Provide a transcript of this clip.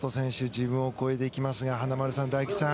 自分を超えていきますが華丸さん、大吉さん